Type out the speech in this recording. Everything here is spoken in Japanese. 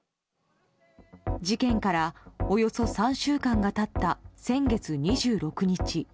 事件から、およそ３週間が経った先月２６日。